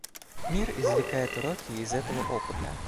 Мир извлекает уроки из этого опыта.